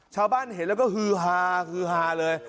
ชาวบ้านเห็นแล้วก็ฮือฮาฮือฮาเลย